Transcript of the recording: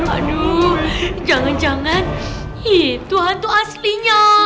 aduh jangan jangan itu hantu aslinya